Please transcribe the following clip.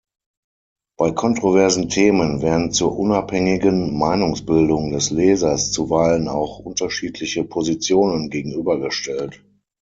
Bei kontroversen Themen werden zur unabhängigen Meinungsbildung des Lesers zuweilen auch unterschiedliche Positionen gegenübergestellt.